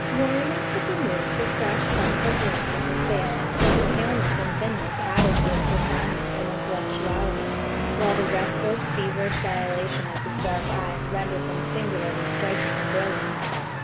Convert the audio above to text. Worriment had removed the fresh heartful bloom from his face, but the paleness and thinness added to its refinement and intellectuality; while the restless feverish dilation of his dark eyes rendered them singularly striking and brilliant.